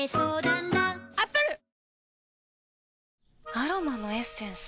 アロマのエッセンス？